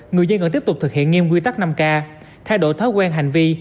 người dân cần tiếp tục thực hiện nghiêm quy tắc năm k thay đổi thói quen hành vi